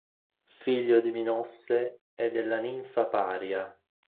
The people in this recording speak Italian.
Figlio di Minosse e della ninfa Paria.